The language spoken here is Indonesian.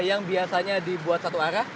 yang biasanya dibuat satu arah